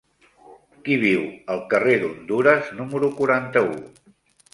Qui viu al carrer d'Hondures número quaranta-u?